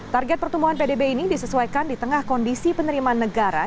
target pertumbuhan pdb ini disesuaikan di tengah kondisi penerimaan negara